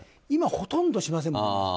今はほとんどしませんよね。